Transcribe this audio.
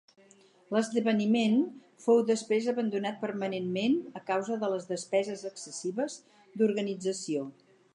L'esdeveniment fou després abandonat permanentment a causa de les despeses excessives d'organització.